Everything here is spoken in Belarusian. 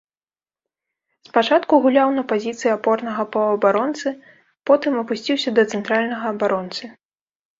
Спачатку гуляў на пазіцыі апорнага паўабаронцы, потым апусціўся да цэнтральнага абаронцы.